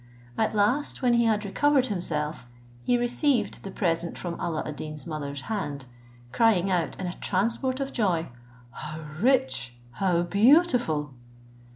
At last, when he had recovered himself, he received the present from Alla ad Deen's mother's hand, crying out in a transport of joy, "How rich, how beautiful!"